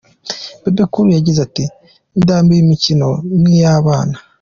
Bebe Cool yagize ati "Ndambiwe imikino nk’iy’abana.